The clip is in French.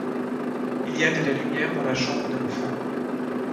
Il y a de la lumière dans la chambre de ma femme.